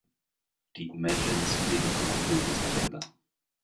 Die Imagines fliegen von April bis November.